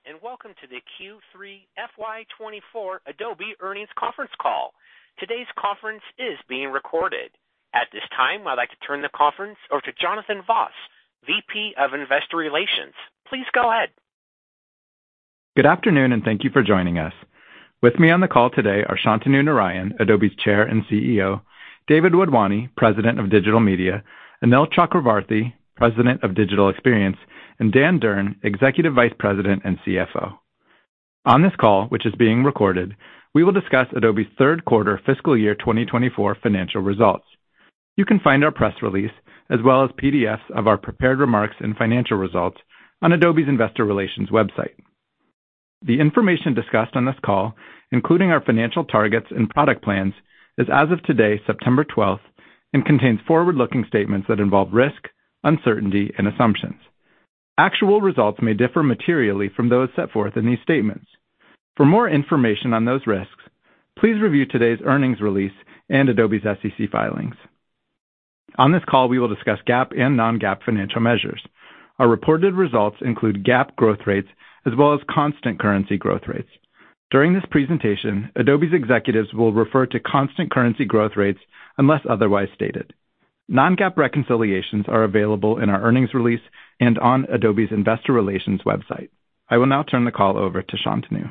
Good day, and welcome to the Q3 FY 2024 Adobe Earnings Conference Call. Today's conference is being recorded. At this time, I'd like to turn the conference over to Jonathan Vaas, VP of Investor Relations. Please go ahead. Good afternoon, and thank you for joining us. With me on the call today are Shantanu Narayen, Adobe's Chair and CEO, David Wadhwani, President of Digital Media, Anil Chakravarthy, President of Digital Experience, and Dan Durn, Executive Vice President and CFO. On this call, which is being recorded, we will discuss Adobe's third quarter fiscal year 2024 financial results. You can find our press release, as well as PDFs of our prepared remarks and financial results, on Adobe's Investor Relations website. The information discussed on this call, including our financial targets and product plans, is as of today, September 12th, and contains forward-looking statements that involve risk, uncertainty, and assumptions. Actual results may differ materially from those set forth in these statements. For more information on those risks, please review today's earnings release and Adobe's SEC filings. On this call, we will discuss GAAP and non-GAAP financial measures. Our reported results include GAAP growth rates as well as constant currency growth rates. During this presentation, Adobe's executives will refer to constant currency growth rates unless otherwise stated. Non-GAAP reconciliations are available in our earnings release and on Adobe's Investor Relations website. I will now turn the call over to Shantanu.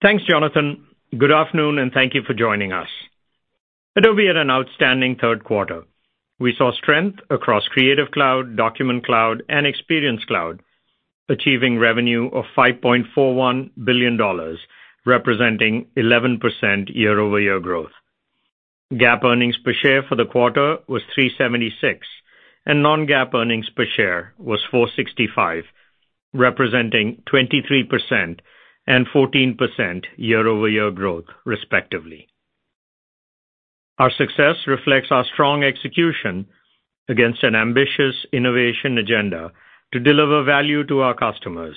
Thanks, Jonathan. Good afternoon, and thank you for joining us. Adobe had an outstanding third quarter. We saw strength across Creative Cloud, Document Cloud, and Experience Cloud, achieving revenue of $5.41 billion, representing 11% year-over-year growth. GAAP earnings per share for the quarter was $3.76, and non-GAAP earnings per share was $4.65, representing 23% and 14% year-over-year growth, respectively. Our success reflects our strong execution against an ambitious innovation agenda to deliver value to our customers.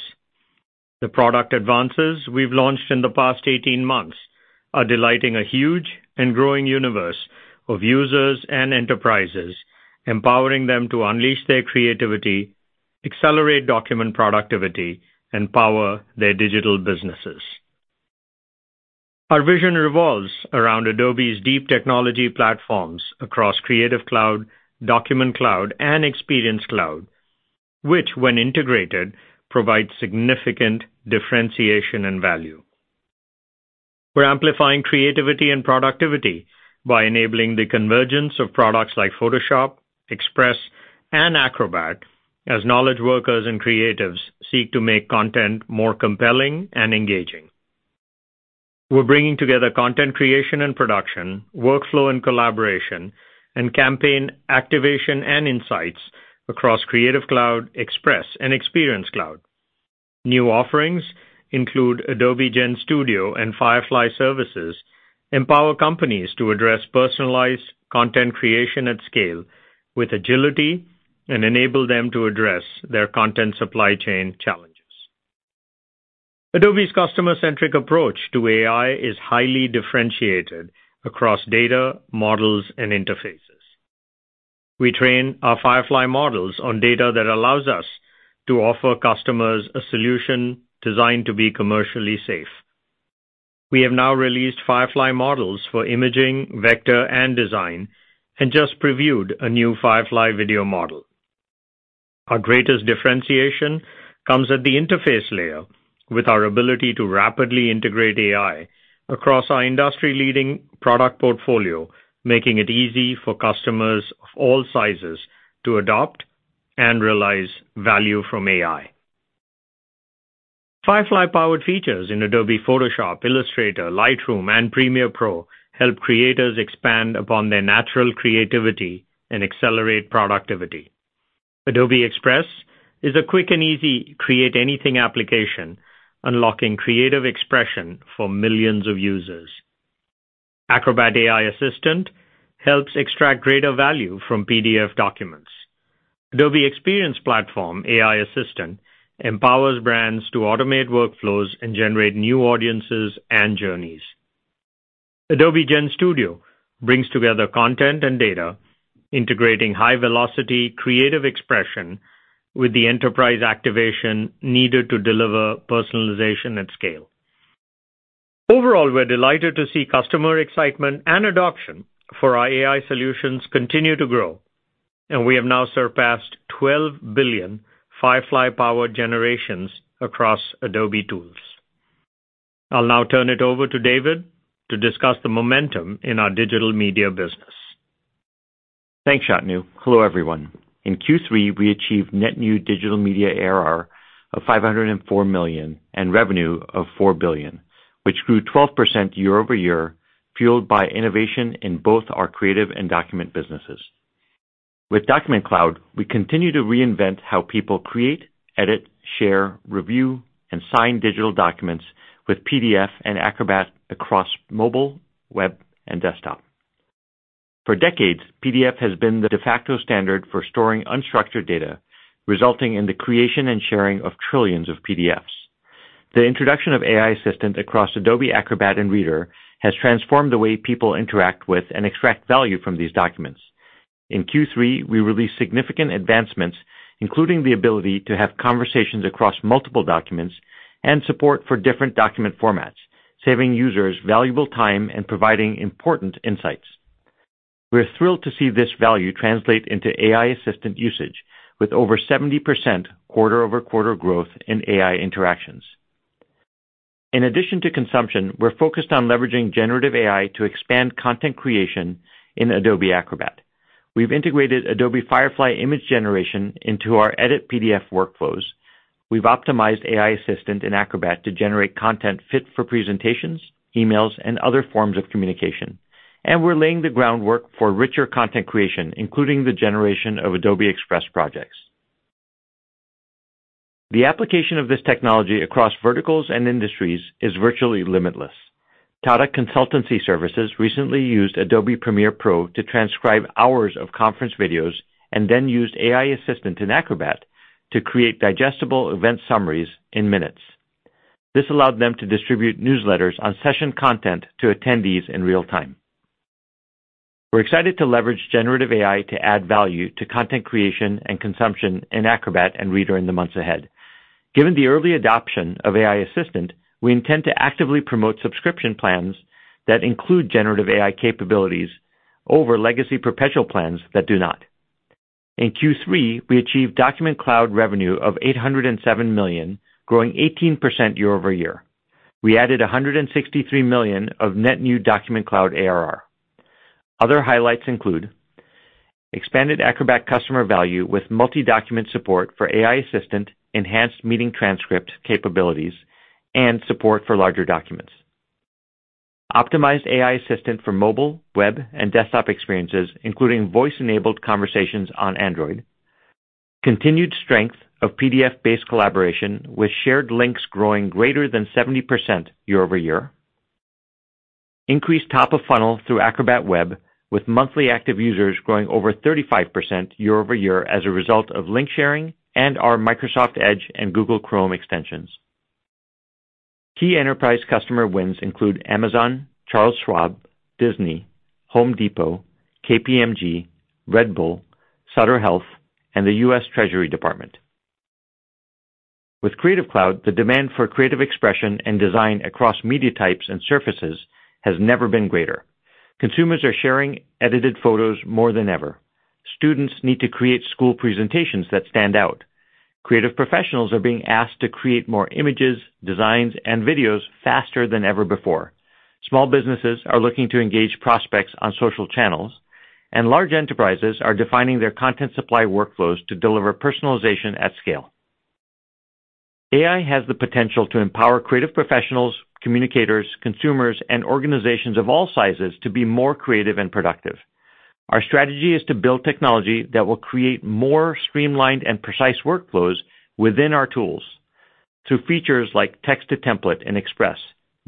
The product advances we've launched in the past 18 months are delighting a huge and growing universe of users and enterprises, empowering them to unleash their creativity, accelerate document productivity, and power their digital businesses. Our vision revolves around Adobe's deep technology platforms across Creative Cloud, Document Cloud, and Experience Cloud, which, when integrated, provide significant differentiation and value. We're amplifying creativity and productivity by enabling the convergence of products like Photoshop, Express, and Acrobat as knowledge workers and creatives seek to make content more compelling and engaging. We're bringing together content creation and production, workflow and collaboration, and campaign activation and insights across Creative Cloud, Express, and Experience Cloud. New offerings include Adobe GenStudio and Firefly Services, empower companies to address personalized content creation at scale with agility and enable them to address their content supply chain challenges. Adobe's customer-centric approach to AI is highly differentiated across data, models, and interfaces. We train our Firefly models on data that allows us to offer customers a solution designed to be commercially safe. We have now released Firefly models for imaging, vector, and design, and just previewed a new Firefly Video Model. Our greatest differentiation comes at the interface layer, with our ability to rapidly integrate AI across our industry-leading product portfolio, making it easy for customers of all sizes to adopt and realize value from AI. Firefly-powered features in Adobe Photoshop, Illustrator, Lightroom, and Premiere Pro help creators expand upon their natural creativity and accelerate productivity. Adobe Express is a quick and easy, create-anything application, unlocking creative expression for millions of users. Acrobat AI Assistant helps extract greater value from PDF documents. Adobe Experience Platform AI Assistant empowers brands to automate workflows and generate new audiences and journeys. Adobe GenStudio brings together content and data, integrating high-velocity, creative expression with the enterprise activation needed to deliver personalization at scale. Overall, we're delighted to see customer excitement and adoption for our AI solutions continue to grow, and we have now surpassed 12 billion Firefly-powered generations across Adobe tools. I'll now turn it over to David to discuss the momentum in our Digital Media business. Thanks, Shantanu. Hello, everyone. In Q3, we achieved net new Digital Media ARR of $504 million, and revenue of $4 billion, which grew 12% year-over-year, fueled by innovation in both our creative and document businesses. With Document Cloud, we continue to reinvent how people create, edit, share, review, and sign digital documents with PDF and Acrobat across mobile, web, and desktop. For decades, PDF has been the de facto standard for storing unstructured data, resulting in the creation and sharing of trillions of PDFs.... The introduction of AI Assistant across Adobe Acrobat and Reader has transformed the way people interact with and extract value from these documents. In Q3, we released significant advancements, including the ability to have conversations across multiple documents and support for different document formats, saving users valuable time and providing important insights. We're thrilled to see this value translate into AI Assistant usage, with over 70% quarter-over-quarter growth in AI interactions. In addition to consumption, we're focused on leveraging generative AI to expand content creation in Adobe Acrobat. We've integrated Adobe Firefly image generation into our edit PDF workflows. We've optimized AI Assistant in Acrobat to generate content fit for presentations, emails, and other forms of communication, and we're laying the groundwork for richer content creation, including the generation of Adobe Express projects. The application of this technology across verticals and industries is virtually limitless. Tata Consultancy Services recently used Adobe Premiere Pro to transcribe hours of conference videos and then used AI Assistant in Acrobat to create digestible event summaries in minutes. This allowed them to distribute newsletters on session content to attendees in real time. We're excited to leverage generative AI to add value to content creation and consumption in Acrobat and Reader in the months ahead. Given the early adoption of AI Assistant, we intend to actively promote subscription plans that include generative AI capabilities over legacy perpetual plans that do not. In Q3, we achieved Document Cloud revenue of $807 million, growing 18% year-over-year. We added $163 million of net new Document Cloud ARR. Other highlights include: expanded Acrobat customer value with multi-document support for AI Assistant, enhanced meeting transcript capabilities, and support for larger documents. Optimized AI Assistant for mobile, web, and desktop experiences, including voice-enabled conversations on Android. Continued strength of PDF-based collaboration, with shared links growing greater than 70% year-over-year. Increased top of funnel through Acrobat Web, with monthly active users growing over 35% year-over-year as a result of link sharing and our Microsoft Edge and Google Chrome extensions. Key enterprise customer wins include Amazon, Charles Schwab, Disney, Home Depot, KPMG, Red Bull, Sutter Health, and the U.S. Department of the Treasury. With Creative Cloud, the demand for creative expression and design across media types and surfaces has never been greater. Consumers are sharing edited photos more than ever. Students need to create school presentations that stand out. Creative professionals are being asked to create more images, designs, and videos faster than ever before. Small businesses are looking to engage prospects on social channels, and large enterprises are defining their content supply workflows to deliver personalization at scale. AI has the potential to empower creative professionals, communicators, consumers, and organizations of all sizes to be more creative and productive. Our strategy is to build technology that will create more streamlined and precise workflows within our tools, through features like Text to Template in Express,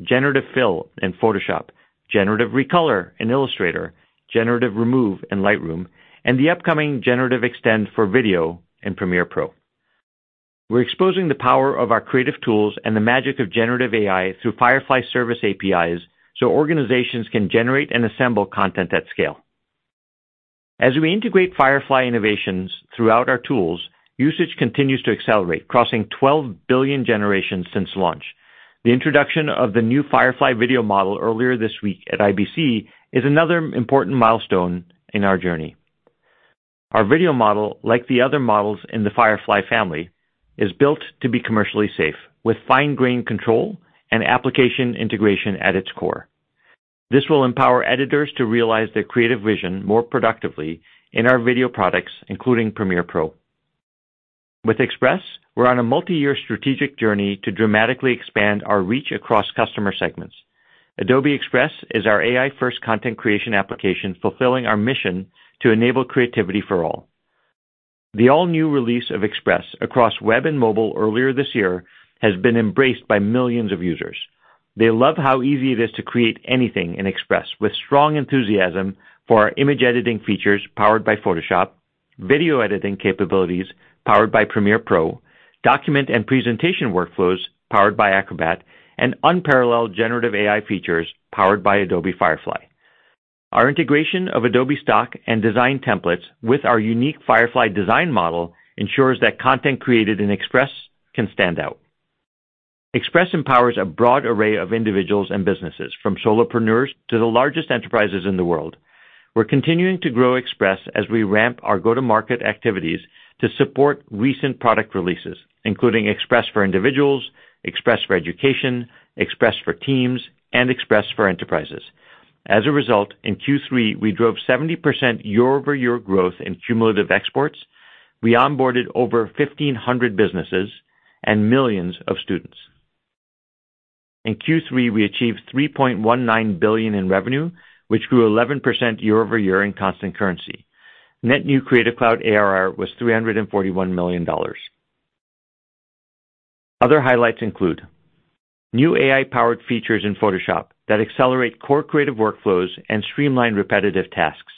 Generative Fill in Photoshop, Generative Recolor in Illustrator, Generative Remove in Lightroom, and the upcoming Generative Extend for video in Premiere Pro. We're exposing the power of our creative tools and the magic of generative AI through Firefly Services APIs, so organizations can generate and assemble content at scale. As we integrate Firefly innovations throughout our tools, usage continues to accelerate, crossing 12 billion generations since launch. The introduction of the new Firefly Video Model earlier this week at IBC is another important milestone in our journey. Our video model, like the other models in the Firefly family, is built to be commercially safe, with fine grain control and application integration at its core. This will empower editors to realize their creative vision more productively in our video products, including Premiere Pro. With Express, we're on a multi-year strategic journey to dramatically expand our reach across customer segments. Adobe Express is our AI-first content creation application, fulfilling our mission to enable creativity for all. The all-new release of Express across web and mobile earlier this year has been embraced by millions of users. They love how easy it is to create anything in Express, with strong enthusiasm for our image editing features powered by Photoshop, video editing capabilities powered by Premiere Pro, document and presentation workflows powered by Acrobat, and unparalleled generative AI features powered by Adobe Firefly. Our integration of Adobe Stock and design templates with our unique Firefly Design Model ensures that content created in Express can stand out. Express empowers a broad array of individuals and businesses, from solopreneurs to the largest enterprises in the world. We're continuing to grow Express as we ramp our go-to-market activities to support recent product releases, including Express for Individuals, Express for Education, Express for Teams, and Express for Enterprises. As a result, in Q3, we drove 70% year-over-year growth in cumulative exports. We onboarded over 1,500 businesses and millions of students. In Q3, we achieved $3.19 billion in revenue, which grew 11% year-over-year in constant currency. Net new Creative Cloud ARR was $341 million. Other highlights include new AI-powered features in Photoshop that accelerate core creative workflows and streamline repetitive tasks.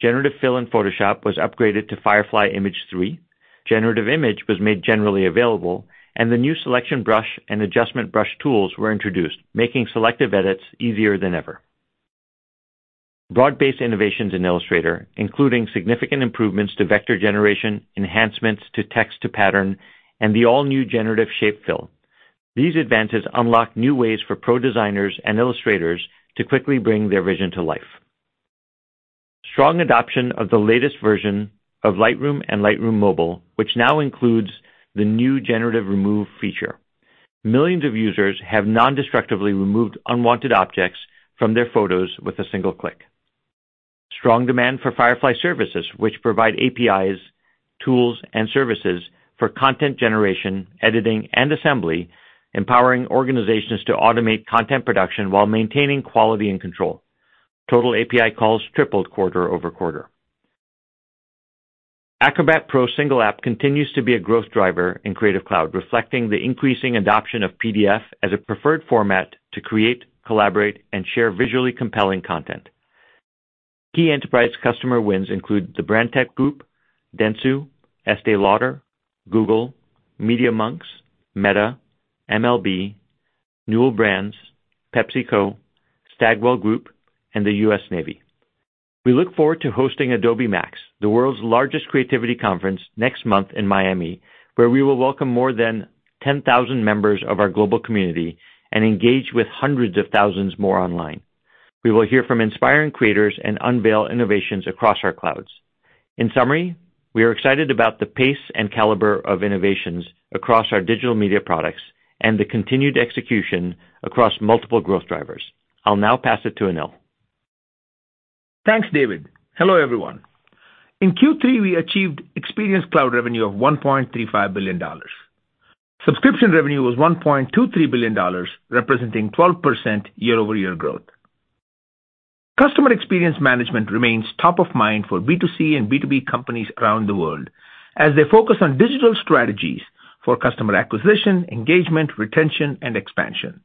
Generative Fill in Photoshop was upgraded to Firefly Image 3, Generative Image was made generally available, and the new selection brush and adjustment brush tools were introduced, making selective edits easier than ever. Broad-based innovations in Illustrator, including significant improvements to vector generation, enhancements to Text to Pattern, and the all-new Generative Shape Fill. These advances unlock new ways for pro designers and illustrators to quickly bring their vision to life. Strong adoption of the latest version of Lightroom and Lightroom Mobile, which now includes the new Generative Remove feature. Millions of users have non-destructively removed unwanted objects from their photos with a single click. Strong demand for Firefly Services, which provide APIs, tools, and services for content generation, editing, and assembly, empowering organizations to automate content production while maintaining quality and control. Total API calls tripled quarter-over-quarter. Acrobat Pro single app continues to be a growth driver in Creative Cloud, reflecting the increasing adoption of PDF as a preferred format to create, collaborate, and share visually compelling content. Key enterprise customer wins include The Brandtech Group, Dentsu, Estée Lauder, Google, Media.Monks, Meta, MLB, Newell Brands, PepsiCo, Stagwell Group, and the U.S. Navy. We look forward to hosting Adobe MAX, the world's largest creativity conference, next month in Miami, where we will welcome more than 10,000 members of our global community and engage with hundreds of thousands more online. We will hear from inspiring creators and unveil innovations across our clouds. In summary, we are excited about the pace and caliber of innovations across our Digital Media products and the continued execution across multiple growth drivers. I'll now pass it to Anil. Thanks, David. Hello, everyone. In Q3, we achieved Experience Cloud revenue of $1.35 billion. Subscription revenue was $1.23 billion, representing 12% year-over-year growth. Customer experience management remains top of mind for B2C and B2B companies around the world as they focus on digital strategies for customer acquisition, engagement, retention, and expansion.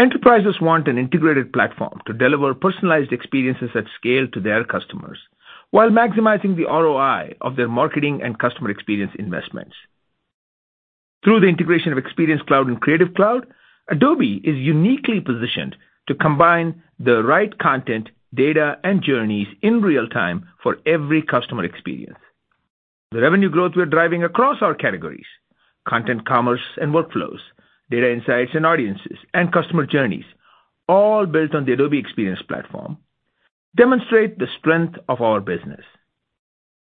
Enterprises want an integrated platform to deliver personalized experiences at scale to their customers while maximizing the ROI of their marketing and customer experience investments. Through the integration of Experience Cloud and Creative Cloud, Adobe is uniquely positioned to combine the right content, data, and journeys in real time for every customer experience. The revenue growth we're driving across our categories, content, commerce and workflows, data insights and audiences, and customer journeys, all built on the Adobe Experience Platform, demonstrate the strength of our business.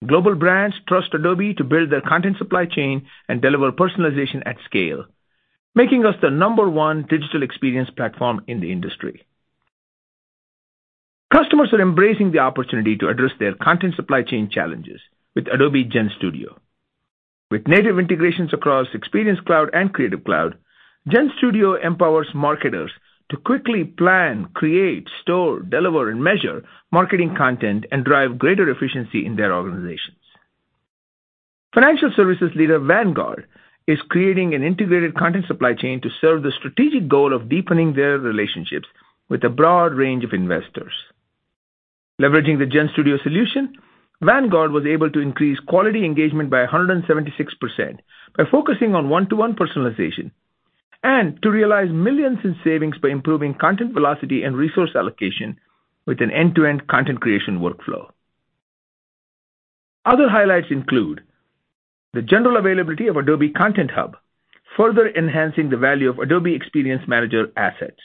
Global brands trust Adobe to build their content supply chain and deliver personalization at scale, making us the number one Digital Experience platform in the industry. Customers are embracing the opportunity to address their content supply chain challenges with Adobe GenStudio. With native integrations across Experience Cloud and Creative Cloud, GenStudio empowers marketers to quickly plan, create, store, deliver, and measure marketing content and drive greater efficiency in their organizations. Financial services leader Vanguard is creating an integrated content supply chain to serve the strategic goal of deepening their relationships with a broad range of investors. Leveraging the GenStudio solution, Vanguard was able to increase quality engagement by 176% by focusing on one-to-one personalization, and to realize millions in savings by improving content velocity and resource allocation with an end-to-end content creation workflow. Other highlights include the general availability of Adobe Content Hub, further enhancing the value of Adobe Experience Manager Assets.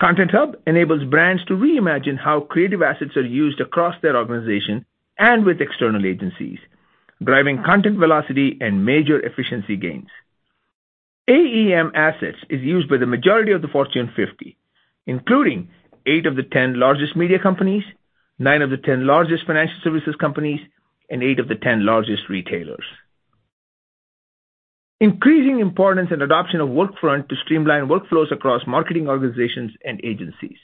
Content Hub enables brands to reimagine how creative assets are used across their organization and with external agencies, driving content velocity and major efficiency gains. AEM Assets is used by the majority of the Fortune 50, including eight of the 10 largest media companies, nine of the 10 largest financial services companies, and eight of the 10 largest retailers. Increasing importance and adoption of Workfront to streamline workflows across marketing organizations and agencies.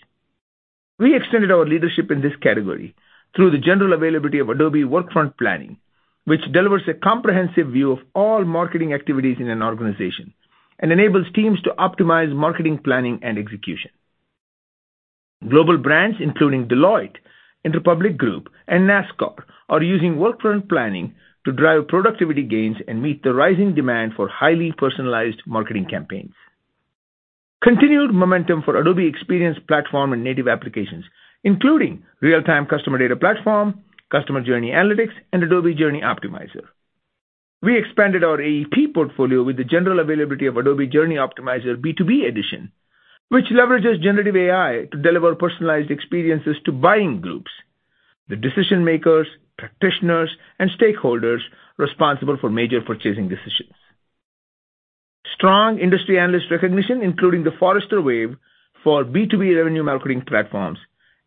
We extended our leadership in this category through the general availability of Adobe Workfront Planning, which delivers a comprehensive view of all marketing activities in an organization and enables teams to optimize marketing, planning, and execution. Global brands, including Deloitte, Interpublic Group, and NASCAR, are using Workfront Planning to drive productivity gains and meet the rising demand for highly personalized marketing campaigns. Continued momentum for Adobe Experience Platform and native applications, including Real-Time Customer Data Platform, Customer Journey Analytics, and Adobe Journey Optimizer. We expanded our AEP portfolio with the general availability of Adobe Journey Optimizer B2B Edition, which leverages generative AI to deliver personalized experiences to buying groups, the decision-makers, practitioners, and stakeholders responsible for major purchasing decisions. Strong industry analyst recognition, including the Forrester Wave for B2B revenue marketing platforms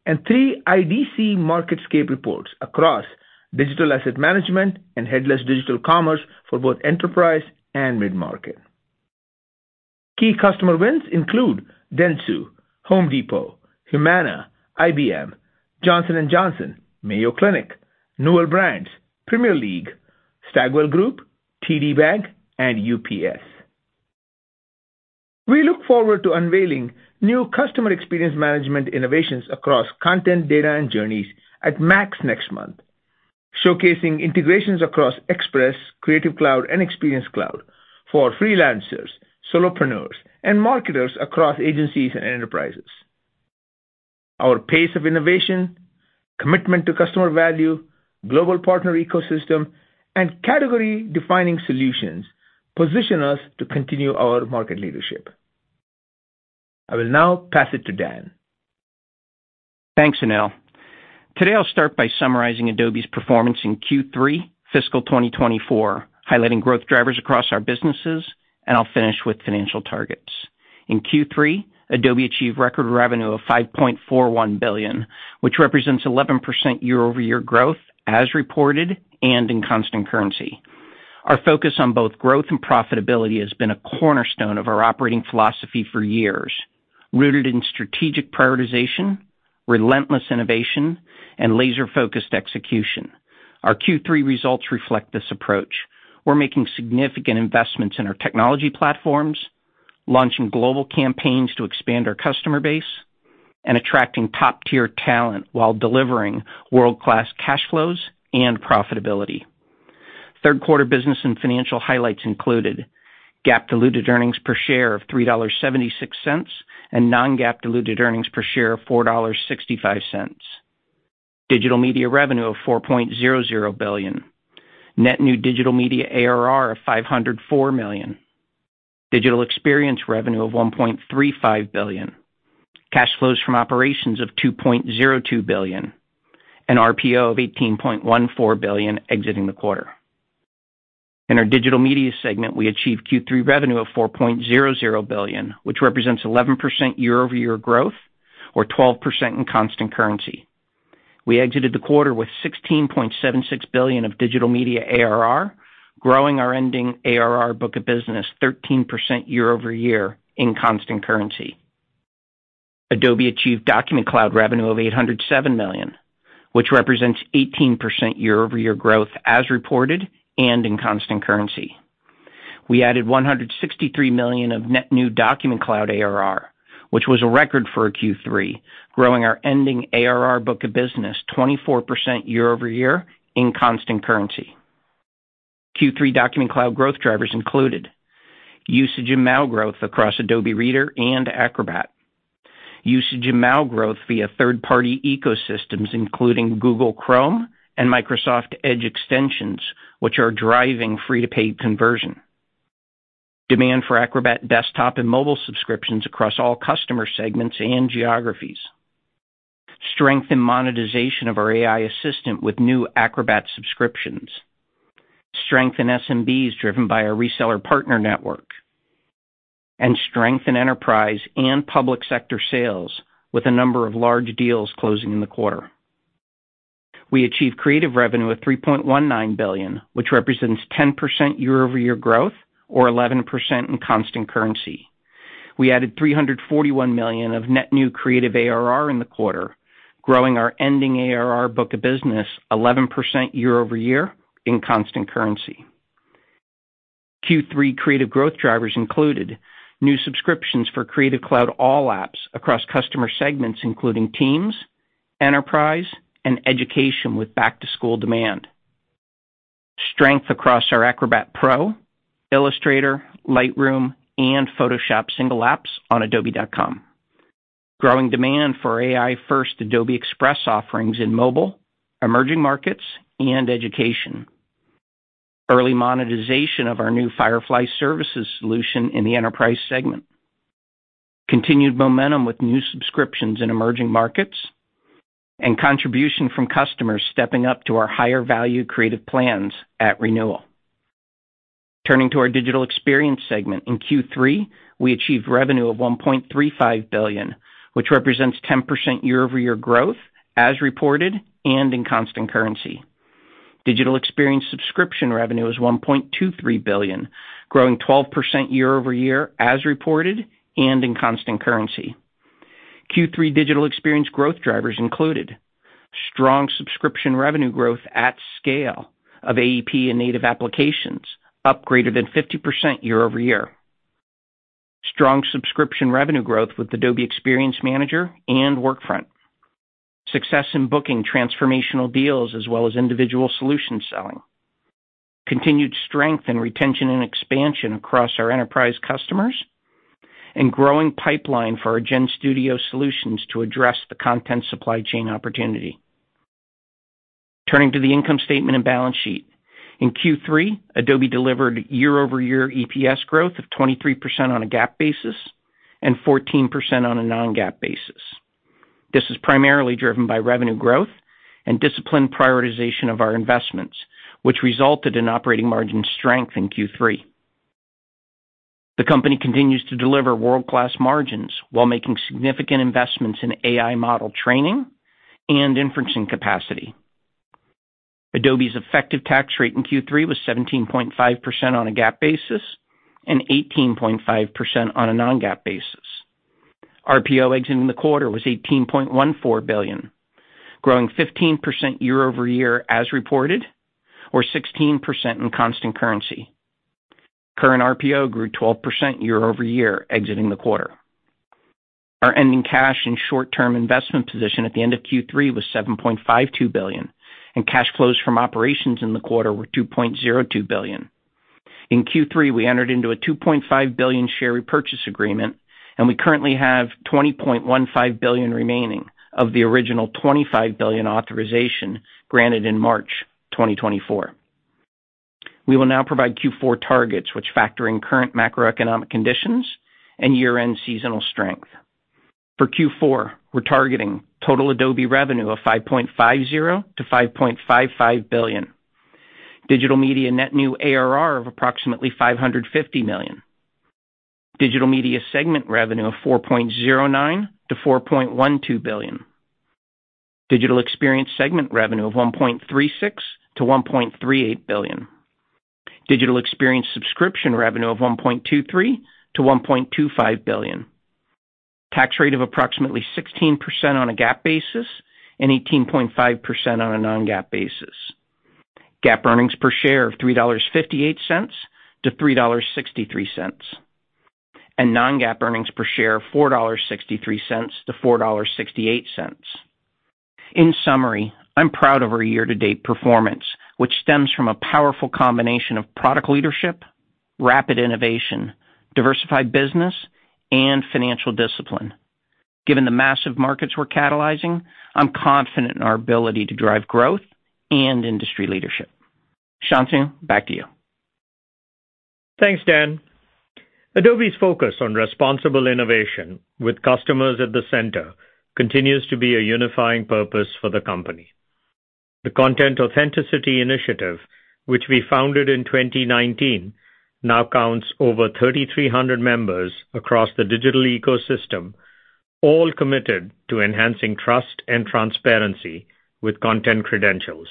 and three IDC Marketscape reports across digital asset management and headless digital commerce for both enterprise and mid-market. Key customer wins include Dentsu, Home Depot, Humana, IBM, Johnson & Johnson, Mayo Clinic, Newell Brands, Premier League, Stagwell Group, TD Bank, and UPS. We look forward to unveiling new customer experience management innovations across content, data, and journeys at MAX next month, showcasing integrations across Express, Creative Cloud, and Experience Cloud for freelancers, solopreneurs, and marketers across agencies and enterprises. Our pace of innovation, commitment to customer value, global partner ecosystem, and category-defining solutions position us to continue our market leadership. I will now pass it to Dan. Thanks, Anil. Today, I'll start by summarizing Adobe's performance in Q3 fiscal 2024, highlighting growth drivers across our businesses, and I'll finish with financial targets. In Q3, Adobe achieved record revenue of $5.41 billion, which represents 11% year-over-year growth as reported and in constant currency. Our focus on both growth and profitability has been a cornerstone of our operating philosophy for years, rooted in strategic prioritization, relentless innovation, and laser-focused execution. Our Q3 results reflect this approach. We're making significant investments in our technology platforms, launching global campaigns to expand our customer base, and attracting top-tier talent while delivering world-class cash flows and profitability. Third quarter business and financial highlights included GAAP diluted earnings per share of $3.76, and non-GAAP diluted earnings per share of $4.65. Digital Media revenue of $4.00 billion. Net new Digital Media ARR of $504 million. Digital Experience revenue of $1.35 billion. Cash flows from operations of $2.02 billion, and RPO of $18.14 billion exiting the quarter. In our Digital Media segment, we achieved Q3 revenue of $4.00 billion, which represents 11% year-over-year growth, or 12% in constant currency. We exited the quarter with $16.76 billion of Digital Media ARR, growing our ending ARR book of business 13% year-over-year in constant currency. Adobe achieved Document Cloud revenue of $807 million, which represents 18% year-over-year growth as reported and in constant currency. We added $163 million of net new Document Cloud ARR, which was a record for a Q3, growing our ending ARR book of business 24% year-over-year in constant currency. Q3 Document Cloud growth drivers included: usage and monetization growth across Adobe Reader and Acrobat, usage and monetization growth via third-party ecosystems, including Google Chrome and Microsoft Edge extensions, which are driving free-to-paid conversion, demand for Acrobat desktop and mobile subscriptions across all customer segments and geographies, strength in monetization of our AI assistant with new Acrobat subscriptions, strength in SMBs, driven by our reseller partner network, and strength in enterprise and public sector sales, with a number of large deals closing in the quarter. We achieved creative revenue of $3.19 billion, which represents 10% year-over-year growth, or 11% in constant currency. We added $341 million of net new creative ARR in the quarter, growing our ending ARR book of business 11% year-over-year in constant currency. Q3 creative growth drivers included new subscriptions for Creative Cloud All Apps across customer segments, including teams, enterprise, and education, with back-to-school demand, strength across our Acrobat Pro, Illustrator, Lightroom, and Photoshop single apps on adobe.com, growing demand for AI-first Adobe Express offerings in mobile, emerging markets, and education, early monetization of our new Firefly Services solution in the enterprise segment, continued momentum with new subscriptions in emerging markets, and contribution from customers stepping up to our higher value creative plans at renewal. Turning to our Digital Experience segment, in Q3, we achieved revenue of $1.35 billion, which represents 10% year-over-year growth as reported and in constant currency. Digital Experience subscription revenue is $1.23 billion, growing 12% year-over-year as reported and in constant currency. Q3 Digital Experience growth drivers included strong subscription revenue growth at scale of AEP and native applications, up greater than 50% year-over-year, strong subscription revenue growth with Adobe Experience Manager and Workfront, success in booking transformational deals, as well as individual solution selling, continued strength in retention and expansion across our enterprise customers, and growing pipeline for our GenStudio solutions to address the content supply chain opportunity. Turning to the income statement and balance sheet. In Q3, Adobe delivered year-over-year EPS growth of 23% on a GAAP basis and 14% on a non-GAAP basis. This is primarily driven by revenue growth and disciplined prioritization of our investments, which resulted in operating margin strength in Q3. The company continues to deliver world-class margins while making significant investments in AI model training and inferencing capacity. Adobe's effective tax rate in Q3 was 17.5% on a GAAP basis and 18.5% on a non-GAAP basis. RPO exiting the quarter was $18.14 billion, growing 15% year-over-year as reported, or 16% in constant currency. Current RPO grew 12% year-over-year, exiting the quarter. Our ending cash and short-term investment position at the end of Q3 was $7.52 billion, and cash flows from operations in the quarter were $2.02 billion. In Q3, we entered into a $2.5 billion share repurchase agreement, and we currently have $20.15 billion remaining of the original $25 billion authorization granted in March 2024. We will now provide Q4 targets, which factor in current macroeconomic conditions and year-end seasonal strength. For Q4, we're targeting total Adobe revenue of $5.50 billion-$5.55 billion, Digital Media net new ARR of approximately $550 million. Digital Media segment revenue of $4.09 billion-$4.12 billion. Digital Experience segment revenue of $1.36 billion-$1.38 billion. Digital Experience subscription revenue of $1.23 billion-$1.25 billion. Tax rate of approximately 16% on a GAAP basis and 18.5% on a non-GAAP basis. GAAP earnings per share of $3.58-$3.63, and non-GAAP earnings per share of $4.63-$4.68. In summary, I'm proud of our year-to-date performance, which stems from a powerful combination of product leadership, rapid innovation, diversified business, and financial discipline. Given the massive markets we're catalyzing, I'm confident in our ability to drive growth and industry leadership. Shantanu, back to you. Thanks, Dan. Adobe's focus on responsible innovation with customers at the center continues to be a unifying purpose for the company. The Content Authenticity Initiative, which we founded in 2019, now counts over three thousand three hundred members across the digital ecosystem, all committed to enhancing trust and transparency with Content Credentials.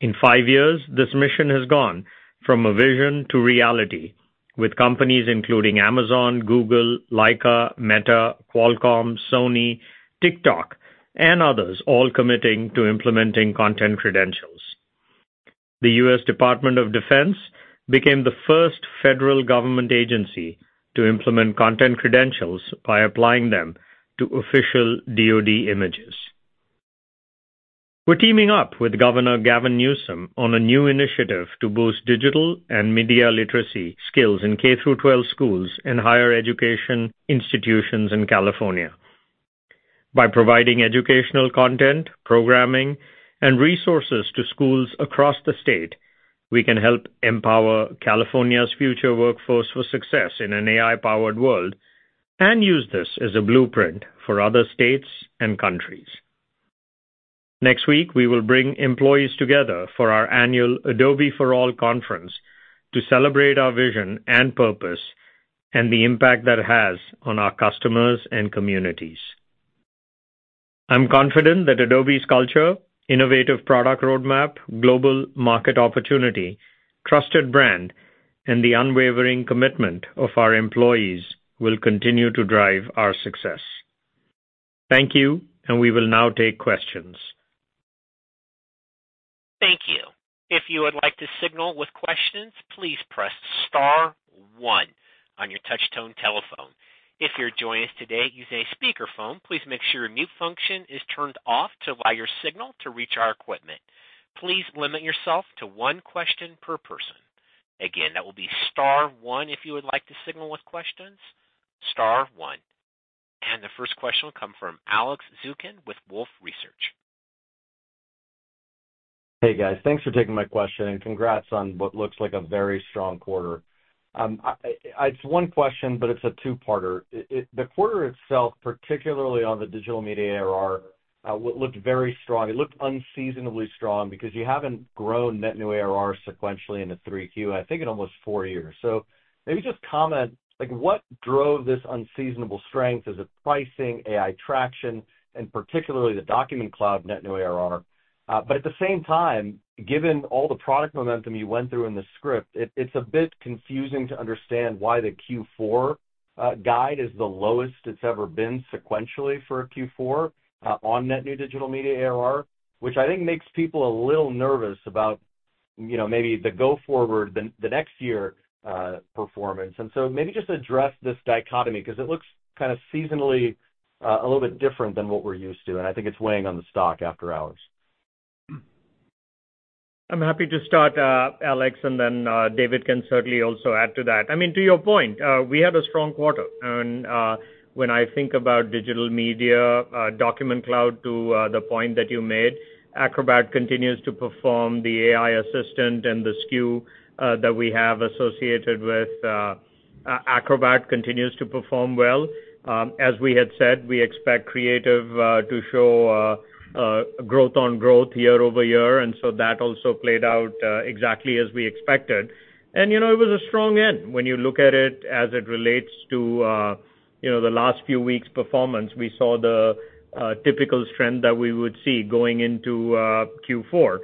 In five years, this mission has gone from a vision to reality, with companies including Amazon, Google, Leica, Meta, Qualcomm, Sony, TikTok, and others all committing to implementing Content Credentials. The U.S. Department of Defense became the first federal government agency to implement Content Credentials by applying them to official DoD images. We're teaming up with Governor Gavin Newsom on a new initiative to boost digital and media literacy skills in K-12 schools and higher education institutions in California. By providing educational content, programming, and resources to schools across the state, we can help empower California's future workforce for success in an AI-powered world and use this as a blueprint for other states and countries. Next week, we will bring employees together for our annual Adobe For All conference to celebrate our vision and purpose and the impact that it has on our customers and communities. I'm confident that Adobe's culture, innovative product roadmap, global market opportunity, trusted brand, and the unwavering commitment of our employees will continue to drive our success. Thank you, and we will now take questions. Thank you. If you would like to signal with questions, please press star one on your touch tone telephone. If you're joining us today using a speakerphone, please make sure your mute function is turned off to allow your signal to reach our equipment. Please limit yourself to one question per person. Again, that will be star one if you would like to signal with questions, star one. And the first question will come from Alex Zukin with Wolfe Research. Hey, guys. Thanks for taking my question, and congrats on what looks like a very strong quarter. It's one question, but it's a two-parter. The quarter itself, particularly on the Digital Media ARR, looked very strong. It looked unseasonably strong because you haven't grown net new ARR sequentially in a 3Q, I think, in almost four years. So maybe just comment, like, what drove this unseasonable strength? Is it pricing, AI traction, and particularly the Document Cloud net new ARR? But at the same time, given all the product momentum you went through in the script, it's a bit confusing to understand why the Q4 guide is the lowest it's ever been sequentially for a Q4 on net new Digital Media ARR, which I think makes people a little nervous about, you know, maybe the go forward, the, the next year performance. And so maybe just address this dichotomy, 'cause it looks kind of seasonally a little bit different than what we're used to, and I think it's weighing on the stock after hours. I'm happy to start, Alex, and then, David can certainly also add to that. I mean, to your point, we had a strong quarter, and, when I think about Digital Media, Document Cloud, to the point that you made, Acrobat continues to perform. The AI Assistant and the SKU that we have associated with Acrobat continues to perform well. As we had said, we expect creative to show growth year-over-year, and so that also played out exactly as we expected, and you know, it was a strong end. When you look at it as it relates to, you know, the last few weeks' performance, we saw the typical trend that we would see going into Q4.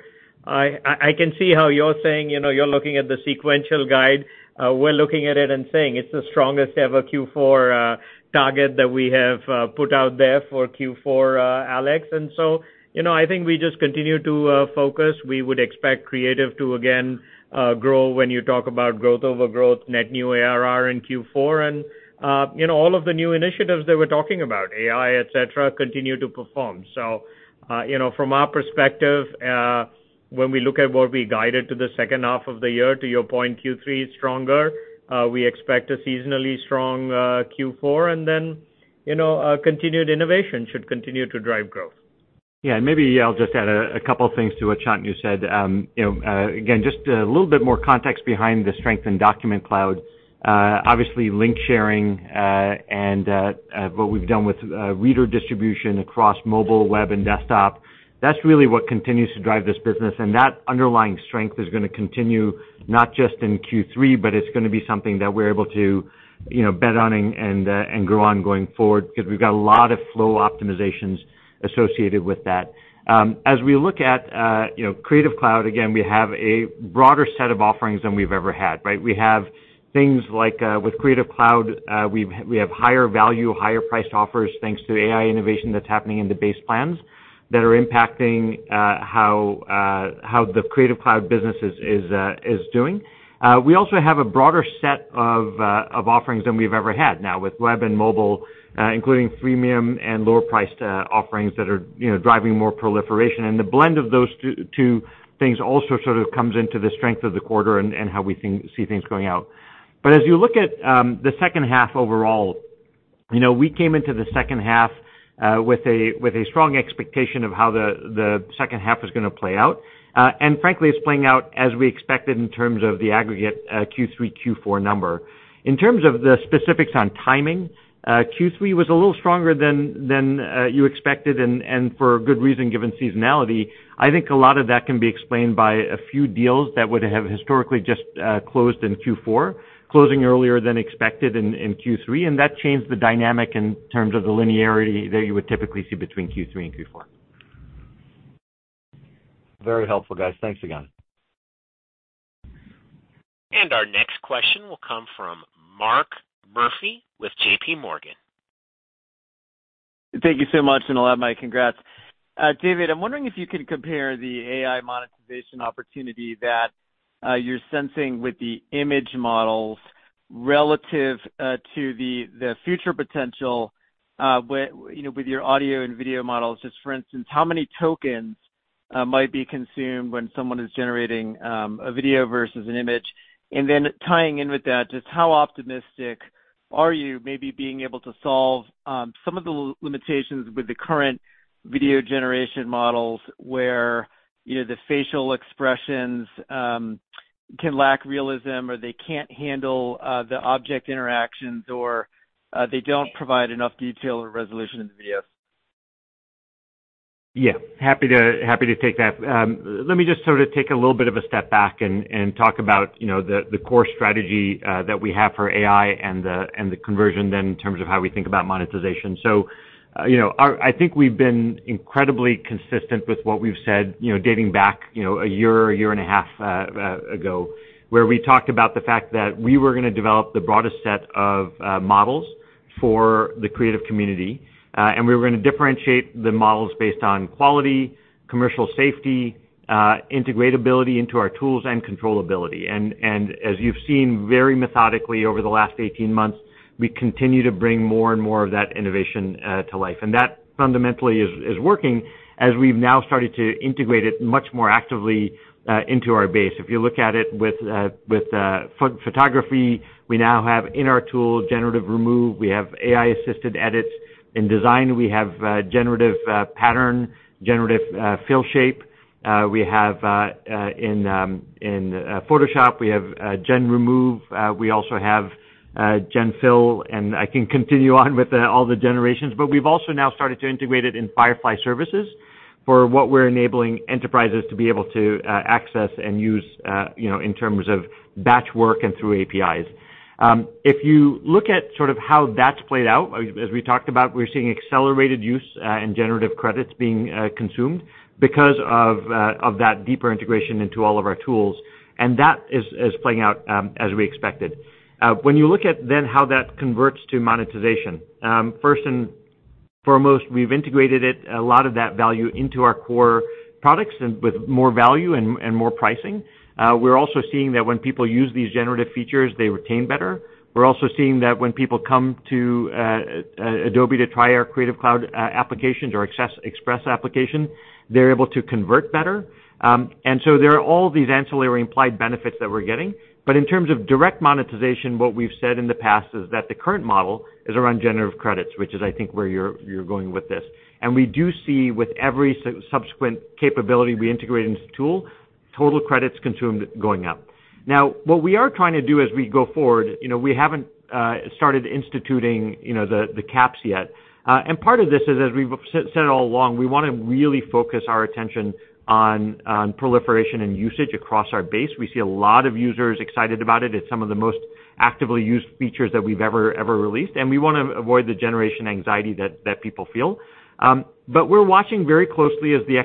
I can see how you're saying, you know, you're looking at the sequential guide. We're looking at it and saying it's the strongest ever Q4 target that we have put out there for Q4, Alex. And so, you know, I think we just continue to focus. We would expect creative to, again, grow when you talk about growth over growth, net new ARR in Q4, and, you know, all of the new initiatives that we're talking about, AI, et cetera, continue to perform. So, you know, from our perspective, when we look at what we guided to the second half of the year, to your point, Q3 is stronger. We expect a seasonally strong Q4, and then, you know, continued innovation should continue to drive growth.... Yeah, and maybe I'll just add a couple things to what Shantanu said. You know, again, just a little bit more context behind the strength in Document Cloud. Obviously, link sharing, and what we've done with reader distribution across mobile, web, and desktop, that's really what continues to drive this business. And that underlying strength is gonna continue, not just in Q3, but it's gonna be something that we're able to, you know, bet on and grow on going forward, 'cause we've got a lot of flow optimizations associated with that. As we look at, you know, Creative Cloud, again, we have a broader set of offerings than we've ever had, right? We have things like, with Creative Cloud, we have higher value, higher-priced offers, thanks to the AI innovation that's happening in the base plans, that are impacting how, how the Creative Cloud business is doing. We also have a broader set of offerings than we've ever had now, with web and mobile, including freemium and lower-priced offerings that are, you know, driving more proliferation. And the blend of those two things also sort of comes into the strength of the quarter and how we see things going out. But as you look at the second half overall, you know, we came into the second half with a strong expectation of how the second half was gonna play out. And frankly, it's playing out as we expected in terms of the aggregate, Q3, Q4 number. In terms of the specifics on timing, Q3 was a little stronger than you expected, and for a good reason, given seasonality. I think a lot of that can be explained by a few deals that would have historically just closed in Q4, closing earlier than expected in Q3, and that changed the dynamic in terms of the linearity that you would typically see between Q3 and Q4. Very helpful, guys. Thanks again. Our next question will come from Mark Murphy with JPMorgan. Thank you so much, and a lot of my congrats. David, I'm wondering if you could compare the AI monetization opportunity that you're sensing with the image models relative to the future potential, where, you know, with your audio and video models. Just for instance, how many tokens might be consumed when someone is generating a video versus an image? And then tying in with that, just how optimistic are you maybe being able to solve some of the limitations with the current video generation models, where, you know, the facial expressions can lack realism, or they can't handle the object interactions, or they don't provide enough detail or resolution in the videos? Yeah. Happy to take that. Let me just sort of take a little bit of a step back and talk about, you know, the core strategy that we have for AI and the conversion then, in terms of how we think about monetization. So, you know, our—I think we've been incredibly consistent with what we've said, you know, dating back, you know, a year, a year and a half ago, where we talked about the fact that we were gonna develop the broadest set of models for the creative community, and we were gonna differentiate the models based on quality, commercial safety, integrability into our tools, and controllability. And as you've seen very methodically over the last eighteen months, we continue to bring more and more of that innovation to life. And that fundamentally is working, as we've now started to integrate it much more actively into our base. If you look at it with photography, we now have in our tool Generative Remove. We have AI-assisted edits. In design, we have generative pattern, generative shape fill. In Photoshop, we have Gen Remove. We also have Gen Fill, and I can continue on with all the generations. But we've also now started to integrate it in Firefly Services, for what we're enabling enterprises to be able to access and use, you know, in terms of batch work and through APIs. If you look at sort of how that's played out, as we talked about, we're seeing accelerated use in Generative Credits being consumed because of that deeper integration into all of our tools, and that is playing out as we expected. When you look at then, how that converts to monetization, first and foremost, we've integrated it, a lot of that value, into our core products and with more value and more pricing. We're also seeing that when people use these generative features, they retain better. We're also seeing that when people come to Adobe to try our Creative Cloud applications or access Express application, they're able to convert better. And so there are all these ancillary implied benefits that we're getting. But in terms of direct monetization, what we've said in the past is that the current model is around generative credits, which is, I think, where you're going with this. And we do see with every subsequent capability we integrate into the tool, total credits consumed going up. Now, what we are trying to do as we go forward, you know, we haven't started instituting, you know, the caps yet. And part of this is, as we've said it all along, we wanna really focus our attention on proliferation and usage across our base. We see a lot of users excited about it. It's some of the most actively used features that we've ever released, and we wanna avoid the generation anxiety that people feel. But we're watching very closely as the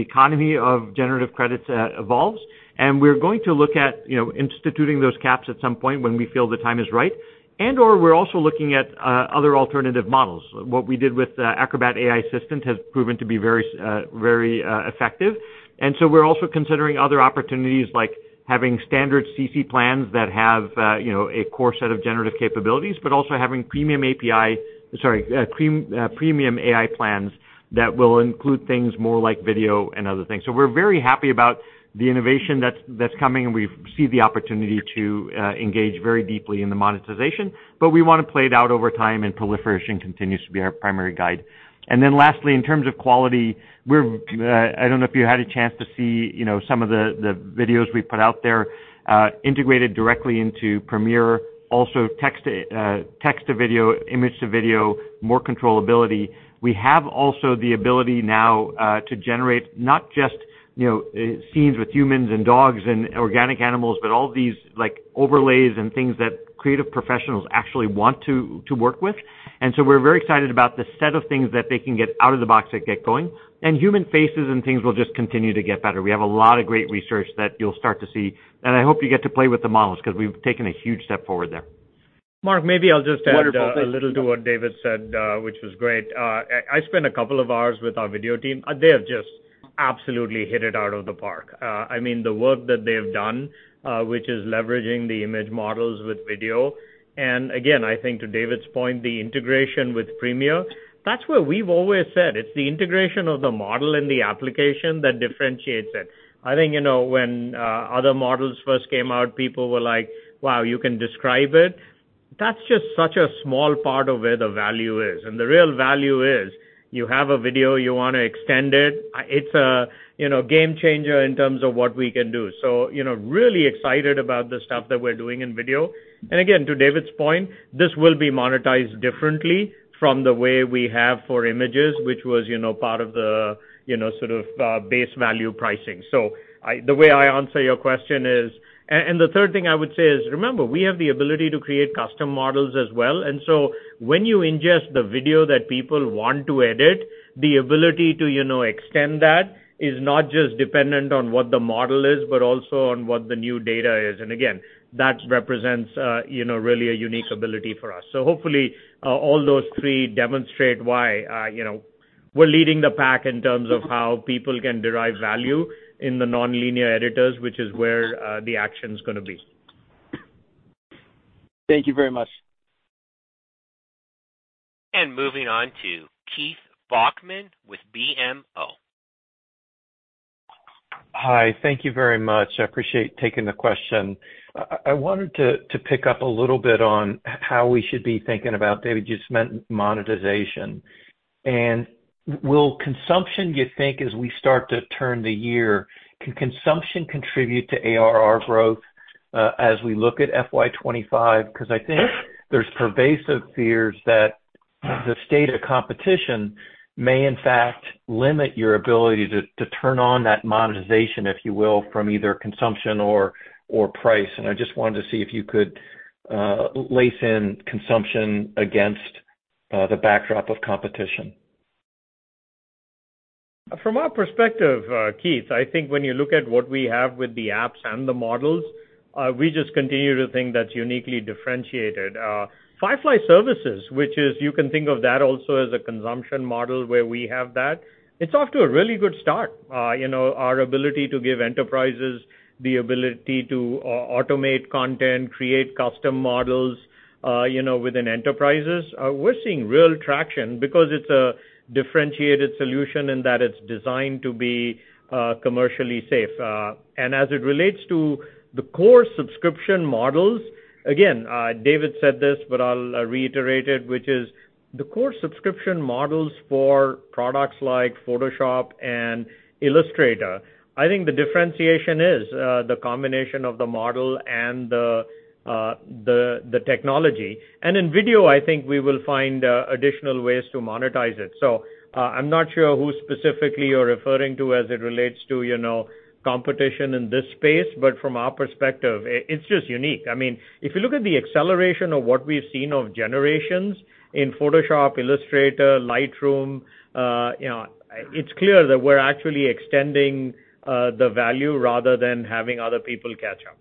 economy of generative credits evolves, and we're going to look at, you know, instituting those caps at some point when we feel the time is right, and/or we're also looking at other alternative models. What we did with Acrobat AI Assistant has proven to be very effective. And so we're also considering other opportunities, like having standard CC plans that have, you know, a core set of generative capabilities, but also having premium AI plans that will include things more like video and other things. So we're very happy about the innovation that's coming, and we see the opportunity to engage very deeply in the monetization, but we wanna play it out over time, and proliferation continues to be our primary guide. And then lastly, in terms of quality, we're. I don't know if you had a chance to see, you know, some of the videos we've put out there, integrated directly into Premiere, also text to video, image to video, more controllability. We have also the ability now to generate not just, you know, scenes with humans and dogs and organic animals, but all these, like, overlays and things that creative professionals actually want to work with. And so we're very excited about the set of things that they can get out of the box and get going, and human faces and things will just continue to get better. We have a lot of great research that you'll start to see, and I hope you get to play with the models, 'cause we've taken a huge step forward there.... Mark, maybe I'll just add a little to what David said, which was great. I spent a couple of hours with our video team. They have just absolutely hit it out of the park. I mean, the work that they have done, which is leveraging the image models with video, and again, I think to David's point, the integration with Premiere, that's where we've always said, it's the integration of the model and the application that differentiates it. I think, you know, when other models first came out, people were like: Wow, you can describe it? That's just such a small part of where the value is, and the real value is, you have a video, you wanna extend it. It's a, you know, game changer in terms of what we can do. So, you know, really excited about the stuff that we're doing in video. And again, to David's point, this will be monetized differently from the way we have for images, which was, you know, part of the, you know, sort of base value pricing. So, the way I answer your question is... And the third thing I would say is, remember, we have the ability to create custom models as well. And so when you ingest the video that people want to edit, the ability to, you know, extend that is not just dependent on what the model is, but also on what the new data is. And again, that represents, you know, really a unique ability for us. So hopefully, all those three demonstrate why, you know, we're leading the pack in terms of how people can derive value in the nonlinear editors, which is where the action's gonna be. Thank you very much. And moving on to Keith Bachman with BMO. Hi, thank you very much. I appreciate taking the question. I wanted to pick up a little bit on how we should be thinking about, David, you just meant monetization. And will consumption, you think, as we start to turn the year, can consumption contribute to ARR growth, as we look at FY 2025? 'Cause I think there's pervasive fears that the state of competition may, in fact, limit your ability to turn on that monetization, if you will, from either consumption or price. And I just wanted to see if you could lace in consumption against the backdrop of competition. From our perspective, Keith, I think when you look at what we have with the apps and the models, we just continue to think that's uniquely differentiated. Firefly Services, which is, you can think of that also as a consumption model where we have that, it's off to a really good start. You know, our ability to give enterprises the ability to automate content, create custom models, you know, within enterprises, we're seeing real traction because it's a differentiated solution in that it's designed to be commercially safe. And as it relates to the core subscription models, again, David said this, but I'll reiterate it, which is the core subscription models for products like Photoshop and Illustrator, I think the differentiation is the combination of the model and the technology. In video, I think we will find additional ways to monetize it. I'm not sure who specifically you're referring to as it relates to, you know, competition in this space, but from our perspective, it's just unique. I mean, if you look at the acceleration of what we've seen of generations in Photoshop, Illustrator, Lightroom, you know, it's clear that we're actually extending the value rather than having other people catch up.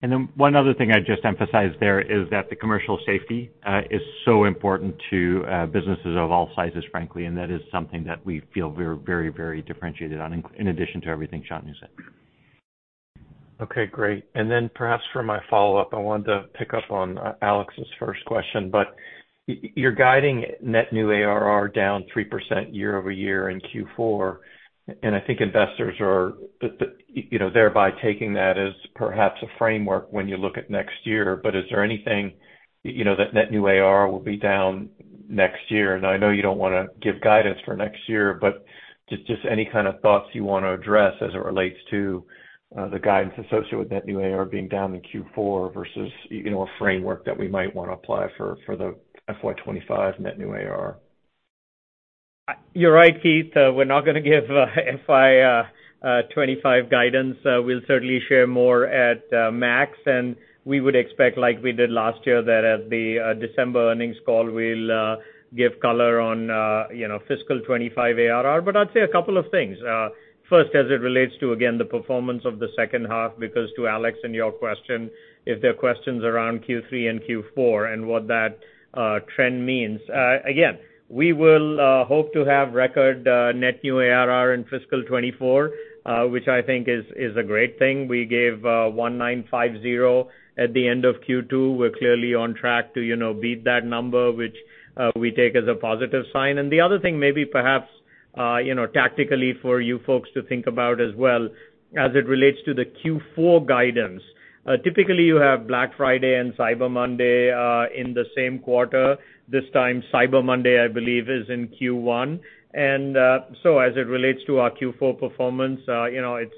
And then one other thing I'd just emphasize there is that the commercial safety is so important to businesses of all sizes, frankly, and that is something that we feel we're very, very differentiated on, in addition to everything Shantanu said. Okay, great. And then perhaps for my follow-up, I wanted to pick up on Alex's first question. But you're guiding net new ARR down 3% year-over-year in Q4, and I think investors are thereby taking that as perhaps a framework when you look at next year. But is there anything that net new AR will be down next year? And I know you don't wanna give guidance for next year, but just any kind of thoughts you want to address as it relates to the guidance associated with net new AR being down in Q4 versus a framework that we might wanna apply for the FY 2025 net new AR. You're right, Keith. We're not gonna give FY 2025 guidance. We'll certainly share more at Max, and we would expect, like we did last year, that at the December earnings call, we'll give color on, you know, fiscal twenty-five ARR. But I'd say a couple of things. First, as it relates to, again, the performance of the second half, because to Alex and your question, if there are questions around Q3 and Q4 and what that trend means. Again, we will hope to have record net new ARR in fiscal 2024, which I think is a great thing. We gave one nine five zero at the end of Q2. We're clearly on track to, you know, beat that number, which we take as a positive sign. The other thing may be perhaps, you know, tactically for you folks to think about as well, as it relates to the Q4 guidance. Typically you have Black Friday and Cyber Monday in the same quarter. This time, Cyber Monday, I believe, is in Q1. So as it relates to our Q4 performance, you know, it's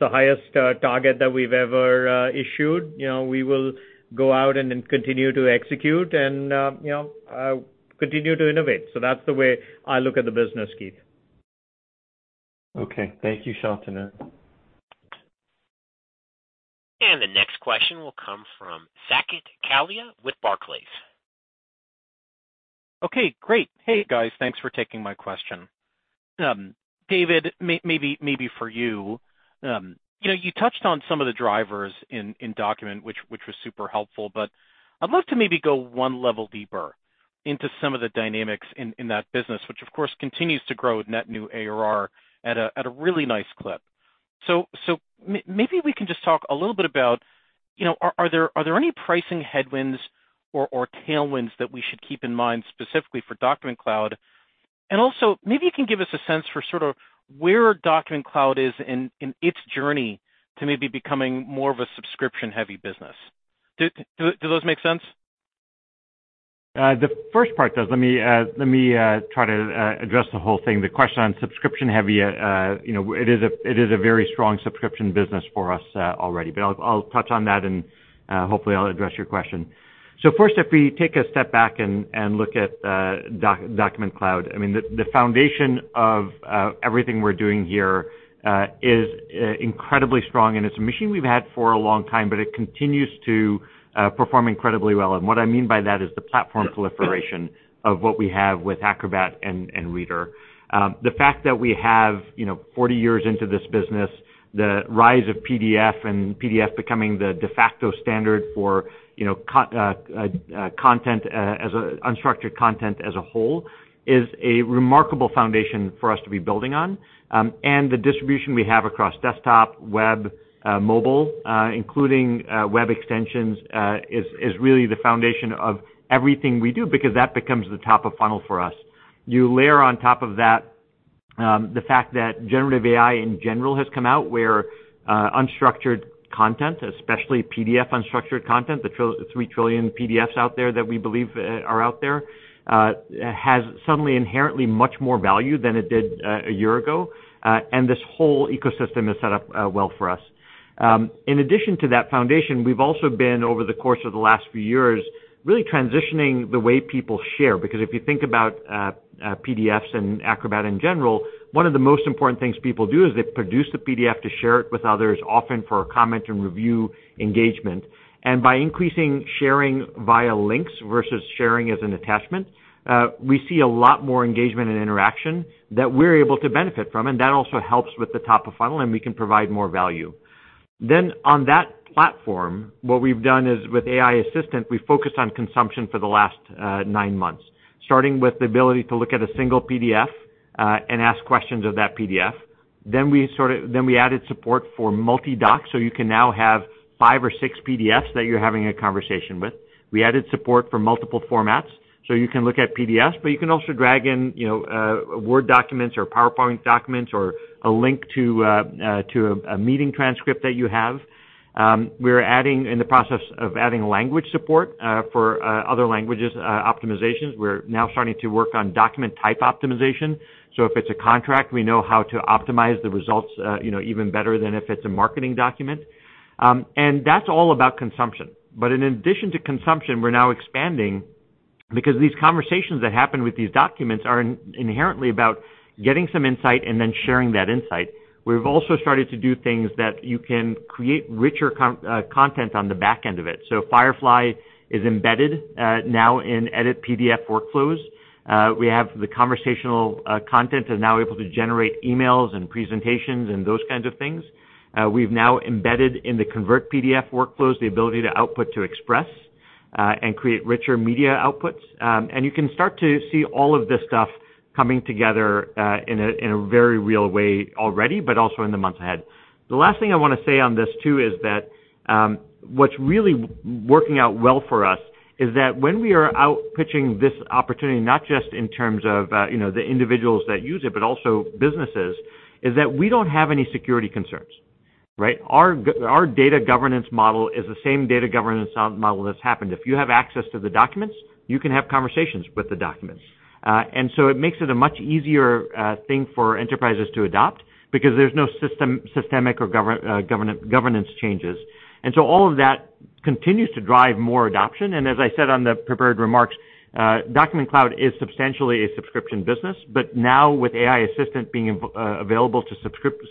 the highest target that we've ever issued. You know, we will go out and then continue to execute and, you know, continue to innovate. So that's the way I look at the business, Keith. Okay. Thank you, Shantanu. The next question will come from Saket Kalia with Barclays. ... Okay, great. Hey, guys, thanks for taking my question. David, maybe for you. You know, you touched on some of the drivers in Document, which was super helpful, but I'd love to maybe go one level deeper into some of the dynamics in that business, which, of course, continues to grow with net new ARR at a really nice clip. So maybe we can just talk a little bit about, you know, are there any pricing headwinds or tailwinds that we should keep in mind, specifically for Document Cloud? And also, maybe you can give us a sense for sort of where Document Cloud is in its journey to maybe becoming more of a subscription-heavy business. Do those make sense? The first part does. Let me try to address the whole thing. The question on subscription heavy, you know, it is a very strong subscription business for us, already. But I'll touch on that, and hopefully I'll address your question. First, if we take a step back and look at Document Cloud, I mean, the foundation of everything we're doing here is incredibly strong, and it's a machine we've had for a long time, but it continues to perform incredibly well. And what I mean by that is the platform proliferation of what we have with Acrobat and Reader. The fact that we have, you know, forty years into this business, the rise of PDF and PDF becoming the de facto standard for, you know, content as unstructured content as a whole, is a remarkable foundation for us to be building on. And the distribution we have across desktop, web, mobile, including web extensions, is really the foundation of everything we do, because that becomes the top of funnel for us. You layer on top of that, the fact that generative AI in general has come out, where unstructured content, especially PDF unstructured content, the three trillion PDFs out there that we believe are out there, has suddenly inherently much more value than it did a year ago. And this whole ecosystem is set up well for us. In addition to that foundation, we've also been, over the course of the last few years, really transitioning the way people share. Because if you think about, PDFs and Acrobat in general, one of the most important things people do is they produce the PDF to share it with others, often for comment and review engagement. And by increasing sharing via links versus sharing as an attachment, we see a lot more engagement and interaction that we're able to benefit from, and that also helps with the top of funnel, and we can provide more value. Then on that platform, what we've done is, with AI Assistant, we've focused on consumption for the last, nine months, starting with the ability to look at a single PDF, and ask questions of that PDF. Then we sort of... Then we added support for multi docs, so you can now have five or six PDFs that you're having a conversation with. We added support for multiple formats, so you can look at PDFs, but you can also drag in, you know, Word documents or PowerPoint documents or a link to, to a meeting transcript that you have. We're adding, in the process of adding language support, for other languages, optimizations. We're now starting to work on document type optimization. So if it's a contract, we know how to optimize the results, you know, even better than if it's a marketing document. And that's all about consumption. But in addition to consumption, we're now expanding, because these conversations that happen with these documents are inherently about getting some insight and then sharing that insight. We've also started to do things that you can create richer content on the back end of it. So Firefly is embedded now in edit PDF workflows. We have the conversational content is now able to generate emails and presentations and those kinds of things. We've now embedded in the convert PDF workflows, the ability to output to Express and create richer media outputs. And you can start to see all of this stuff coming together in a very real way already, but also in the months ahead. The last thing I want to say on this, too, is that what's really working out well for us is that when we are out pitching this opportunity, not just in terms of you know the individuals that use it, but also businesses, is that we don't have any security concerns, right? Our data governance model is the same data governance model that's happened. If you have access to the documents, you can have conversations with the documents, and so it makes it a much easier thing for enterprises to adopt because there's no systemic or governance changes, and so all of that continues to drive more adoption, and as I said on the prepared remarks, Document Cloud is substantially a subscription business. But now with AI Assistant being available to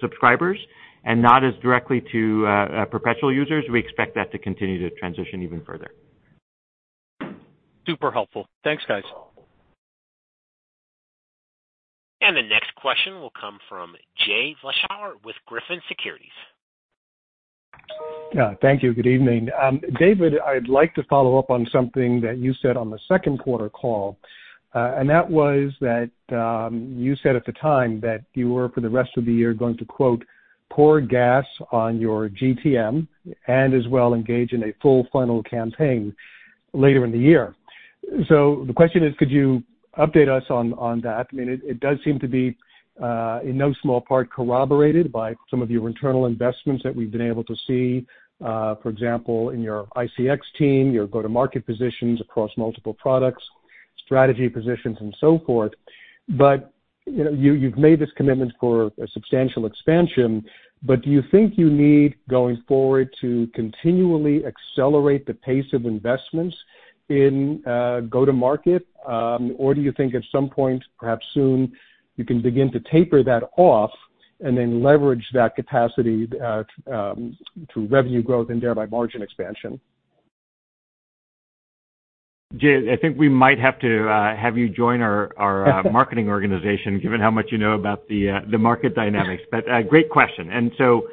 subscribers and not as directly to perpetual users, we expect that to continue to transition even further. Super helpful. Thanks, guys. The next question will come from Jay Vleeschhouwer with Griffin Securities. Yeah, thank you. Good evening. David, I'd like to follow up on something that you said on the second quarter call, and that was that, you said at the time that you were, for the rest of the year, going to, quote, "Pour gas on your GTM and as well engage in a full funnel campaign later in the year." So the question is: could you update us on that? I mean, it does seem to be, in no small part, corroborated by some of your internal investments that we've been able to see, for example, in your ICX team, your go-to-market positions across multiple products, strategy positions, and so forth. But, you know, you've made this commitment for a substantial expansion, but do you think you need, going forward, to continually accelerate the pace of investments in go-to-market? Or do you think at some point, perhaps soon, you can begin to taper that off? And then leverage that capacity to revenue growth and thereby margin expansion? Jay, I think we might have to have you join our marketing organization, given how much you know about the market dynamics. But great question. And so,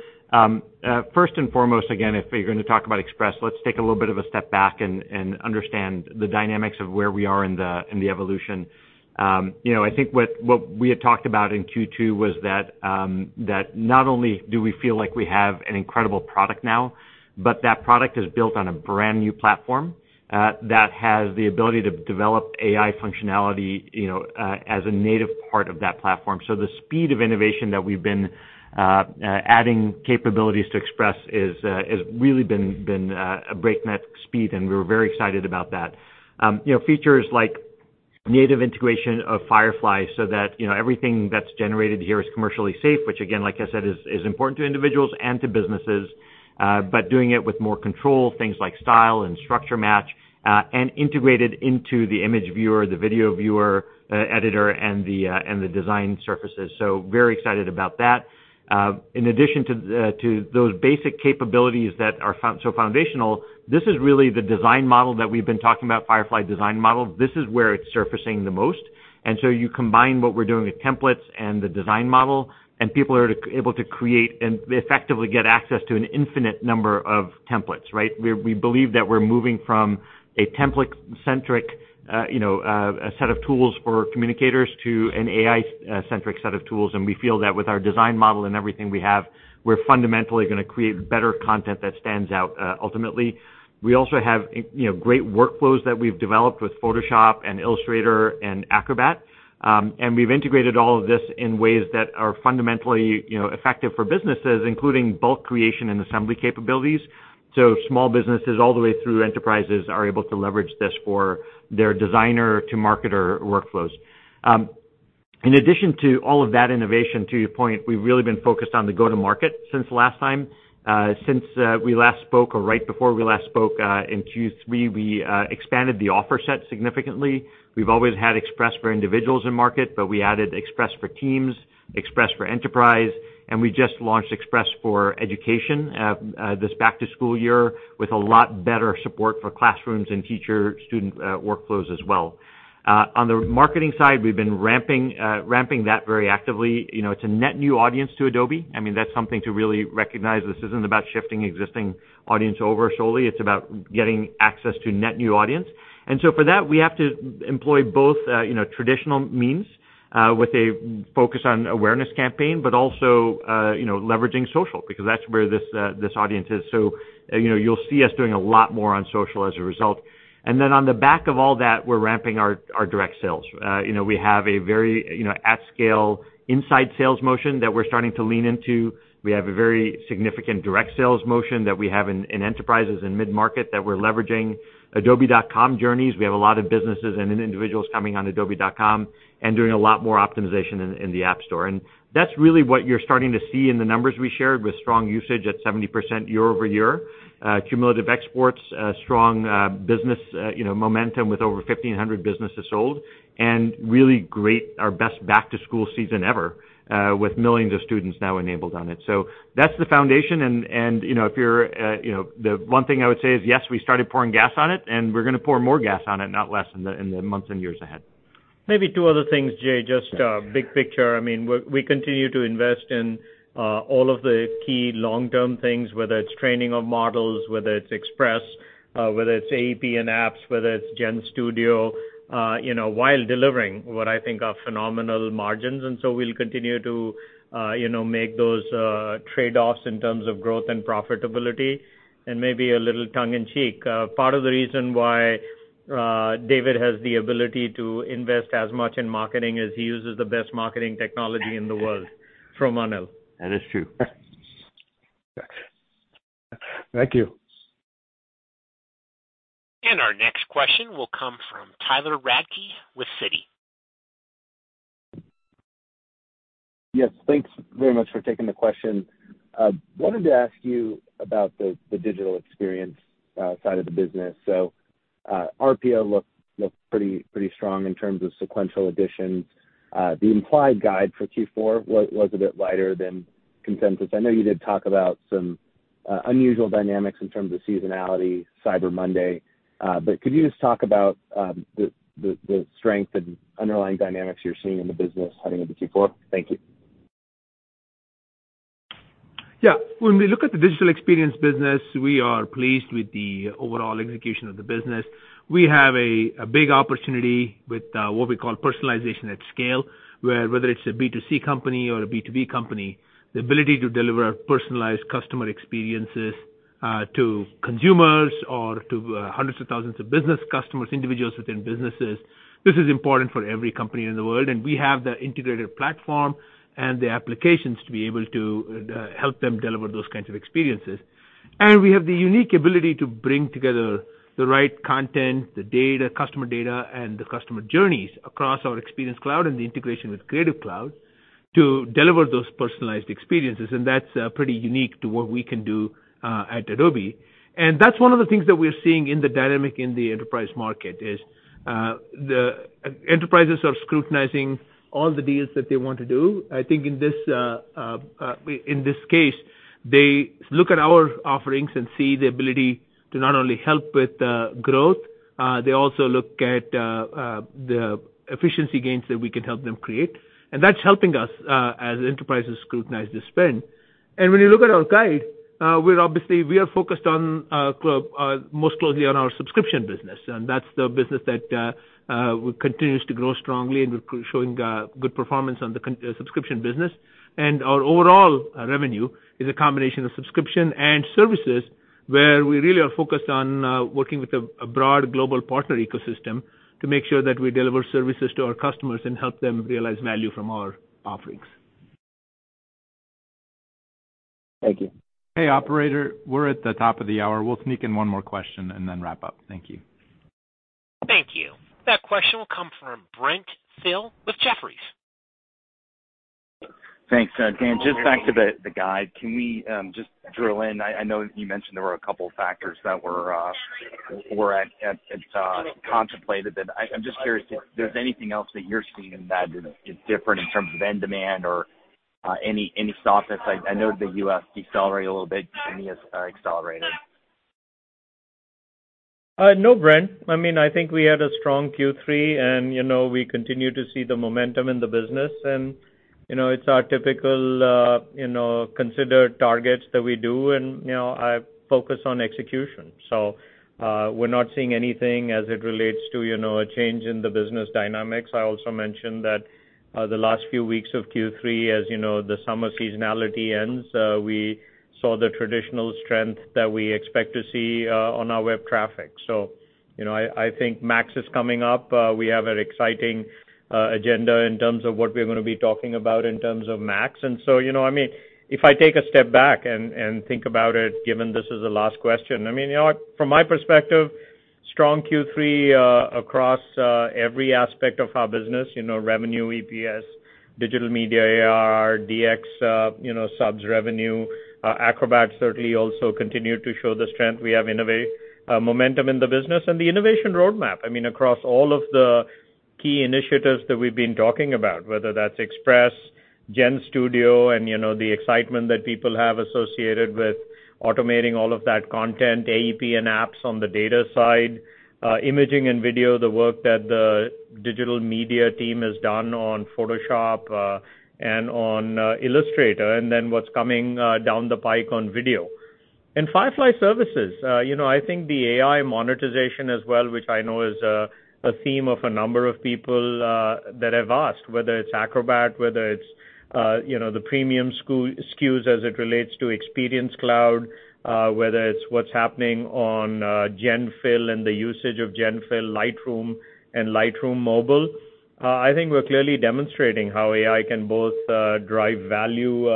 first and foremost, again, if we're going to talk about Express, let's take a little bit of a step back and understand the dynamics of where we are in the evolution. You know, I think what we had talked about in Q2 was that that not only do we feel like we have an incredible product now, but that product is built on a brand-new platform that has the ability to develop AI functionality, you know, as a native part of that platform. So the speed of innovation that we've been adding capabilities to Express has really been a breakneck speed, and we're very excited about that. You know, features like native integration of Firefly, so that, you know, everything that's generated here is commercially safe, which again, like I said, is important to individuals and to businesses, but doing it with more control, things like style and structure match, and integrated into the image viewer, the video viewer, editor, and the design surfaces. So very excited about that. In addition to those basic capabilities that are found so foundational, this is really the design model that we've been talking about, Firefly design model. This is where it's surfacing the most. And so you combine what we're doing with templates and the design model, and people are able to create and effectively get access to an infinite number of templates, right? We believe that we're moving from a template-centric, you know, a set of tools for communicators to an AI-centric set of tools. We feel that with our design model and everything we have, we're fundamentally gonna create better content that stands out, ultimately. We also have, you know, great workflows that we've developed with Photoshop and Illustrator and Acrobat. And we've integrated all of this in ways that are fundamentally, you know, effective for businesses, including bulk creation and assembly capabilities. Small businesses all the way through enterprises are able to leverage this for their designer to marketer workflows. In addition to all of that innovation, to your point, we've really been focused on the go-to-market since last time. Since we last spoke or right before we last spoke in Q3, we expanded the offer set significantly. We've always had Express for individuals in market, but we added Express for teams, Express for Enterprise, and we just launched Express for Education this back-to-school year, with a lot better support for classrooms and teacher-student workflows as well. On the marketing side, we've been ramping that very actively. You know, it's a net new audience to Adobe. I mean, that's something to really recognize. This isn't about shifting existing audience over solely. It's about getting access to net new audience. And so for that, we have to employ both, you know, traditional means, with a focus on awareness campaign, but also, you know, leveraging social, because that's where this audience is. So, you know, you'll see us doing a lot more on social as a result. And then on the back of all that, we're ramping our direct sales. You know, we have a very, you know, at scale inside sales motion that we're starting to lean into. We have a very significant direct sales motion that we have in enterprises and mid-market that we're leveraging. Adobe.com journeys. We have a lot of businesses and individuals coming on Adobe.com and doing a lot more optimization in the App Store. And that's really what you're starting to see in the numbers we shared, with strong usage at 70% year-over-year, cumulative exports, strong business, you know, momentum with over 1,500 businesses sold, and really great, our best back-to-school season ever, with millions of students now enabled on it. So that's the foundation and, you know, if you're, you know, the one thing I would say is, yes, we started pouring gas on it, and we're gonna pour more gas on it, not less in the months and years ahead. Maybe two other things, Jay, just, big picture. I mean, we continue to invest in all of the key long-term things, whether it's training of models, whether it's Express, whether it's AEP and apps, whether it's GenStudio, you know, while delivering what I think are phenomenal margins. And so we'll continue to, you know, make those trade-offs in terms of growth and profitability. And maybe a little tongue-in-cheek, part of the reason why, David has the ability to invest as much in marketing as he uses the best marketing technology in the world, from Anil. That is true. Thank you. Our next question will come from Tyler Radke with Citi. Yes, thanks very much for taking the question. Wanted to ask you about the Digital Experience side of the business. So, RPO looked pretty strong in terms of sequential additions. The implied guide for Q4 was a bit lighter than consensus. I know you did talk about some unusual dynamics in terms of seasonality, Cyber Monday, but could you just talk about the strength and underlying dynamics you're seeing in the business heading into Q4? Thank you. Yeah. When we look at the Digital Experience business, we are pleased with the overall execution of the business. We have a big opportunity with what we call personalization at scale, where whether it's a B2C company or a B2B company, the ability to deliver personalized customer experiences to consumers or to hundreds of thousands of business customers, individuals within businesses. This is important for every company in the world, and we have the integrated platform and the applications to be able to help them deliver those kinds of experiences. And we have the unique ability to bring together the right content, the data, customer data, and the customer journeys across our Experience Cloud and the integration with Creative Cloud to deliver those personalized experiences, and that's pretty unique to what we can do at Adobe. And that's one of the things that we're seeing in the dynamic in the enterprise market. The enterprises are scrutinizing all the deals that they want to do. I think in this case, they look at our offerings and see the ability to not only help with growth. They also look at the efficiency gains that we can help them create, and that's helping us as enterprises scrutinize their spend. When you look at our guide, we're obviously focused most closely on our subscription business, and that's the business that continues to grow strongly, and we're showing good performance on the subscription business. Our overall revenue is a combination of subscription and services, where we really are focused on working with a broad global partner ecosystem to make sure that we deliver services to our customers and help them realize value from our offerings. Thank you. Hey, operator, we're at the top of the hour. We'll sneak in one more question and then wrap up. Thank you. Thank you. That question will come from Brent Thill with Jefferies. Thanks. Dan, just back to the guide. Can we just drill in? I know you mentioned there were a couple of factors that were contemplated, but I'm just curious if there's anything else that you're seeing that is different in terms of end demand or any softness. I know the U.S. decelerated a little bit, EMEA accelerated. No, Brent. I mean, I think we had a strong Q3, and, you know, we continue to see the momentum in the business. And, you know, it's our typical, you know, considered targets that we do, and, you know, I focus on execution. So, we're not seeing anything as it relates to, you know, a change in the business dynamics. I also mentioned that, the last few weeks of Q3, as you know, the summer seasonality ends, we saw the traditional strength that we expect to see, on our web traffic. So, you know, I think MAX is coming up. We have an exciting, agenda in terms of what we're gonna be talking about in terms of MAX. And so, you know, I mean, if I take a step back and think about it, given this is the last question, I mean, you know what? From my perspective, strong Q3 across every aspect of our business, you know, revenue, EPS, Digital media, ARR, DX, you know, subs revenue. Acrobat certainly also continued to show the strength. We have innovation momentum in the business and the innovation roadmap. I mean, across all of the key initiatives that we've been talking about, whether that's Express, GenStudio, and, you know, the excitement that people have associated with automating all of that content, AEP and apps on the data side, imaging and video, the work that the Digital media team has done on Photoshop, and on Illustrator, and then what's coming down the pike on video. And Firefly Services. You know, I think the AI monetization as well, which I know is a theme of a number of people that I've asked, whether it's Acrobat, whether it's, you know, the premium SKUs as it relates to Experience Cloud, whether it's what's happening on Generative Fill and the usage of Generative Fill, Lightroom and Lightroom Mobile. I think we're clearly demonstrating how AI can both drive value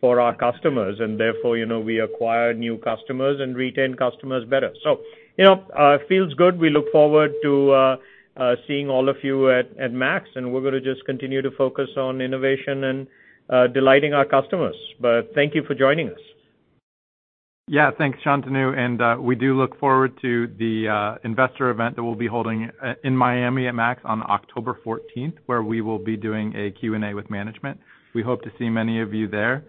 for our customers, and therefore, you know, we acquire new customers and retain customers better. So, you know, it feels good. We look forward to seeing all of you at MAX, and we're gonna just continue to focus on innovation and delighting our customers. But thank you for joining us. Yeah. Thanks, Shantanu, and we do look forward to the investor event that we'll be holding in Miami at MAX on October 14th, where we will be doing a Q&A with management. We hope to see many of you there.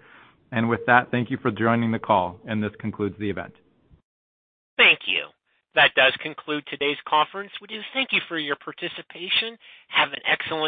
And with that, thank you for joining the call, and this concludes the event. Thank you. That does conclude today's conference. We do thank you for your participation. Have an excellent-